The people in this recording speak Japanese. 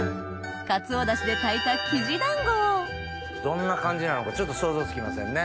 かつおダシで炊いたキジ団子をどんな感じなのかちょっと想像つきませんね。